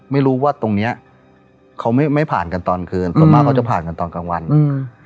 ไม่รู้ว่าตรงเนี้ยเขาไม่ไม่ผ่านกันตอนคืนส่วนมากเขาจะผ่านกันตอนกลางวันอืม